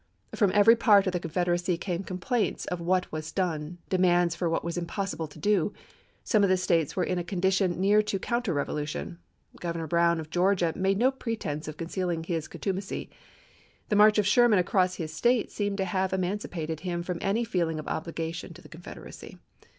From every part of the Confed eracy came complaints of what was done, demands for what it was impossible to do. Some of the States were in a condition near to counter revolution. Governor Brown of Georgia made no pretense of concealing his contumacy. The march of Sherman across his State seemed to have emancipated him from any feeling of obligation to the Confederacy.